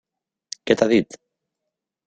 Què t'ha dit?